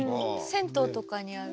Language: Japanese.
銭湯とかにある。